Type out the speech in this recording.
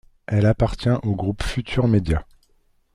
Elle appartient au groupe Futurs Médias.